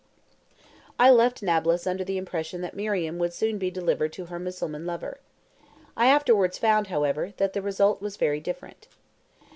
I left Nablus under the impression that Mariam would soon be delivered to her Mussulman lover. I afterwards found, however, that the result was very different.